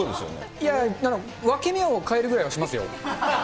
いや、分け目を変えるぐらいはしますよ。